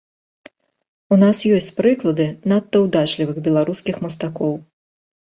У нас ёсць прыклады надта ўдачлівых беларускіх мастакоў.